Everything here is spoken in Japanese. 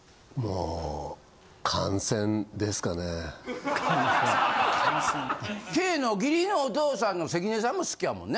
・感染・Ｋの義理のお父さんの関根さんも好きやもんね。